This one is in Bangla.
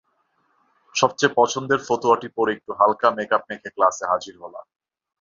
সবচেয়ে পছন্দের ফতুয়াটি পরে একটু হালকা মেকআপ মেখে ক্লাসে হাজির হলাম।